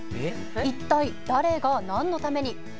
一体誰がなんのために？